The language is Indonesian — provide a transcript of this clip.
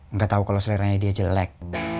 nggak tau kalo seleranya dia jelek